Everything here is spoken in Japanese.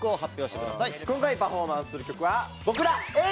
今回パフォーマンスする曲は「僕らＡぇ！